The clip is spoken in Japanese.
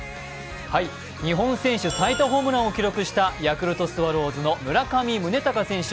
日本選手最多ホームランを記録したヤクルトスワローズの村上宗隆選手。